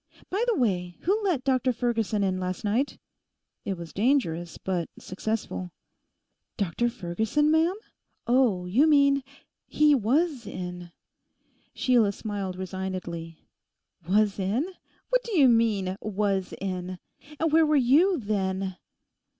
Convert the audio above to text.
'By the way, who let Dr Ferguson in last night?' It was dangerous, but successful. 'Dr Ferguson, ma'am? Oh, you mean... He was in.' Sheila smiled resignedly. 'Was in? What do you mean, "was in"? And where were you, then?